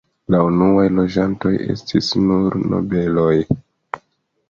La unuaj loĝantoj estis nur nobeloj.